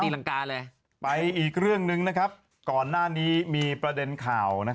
ล่าผีเนี่ยนะ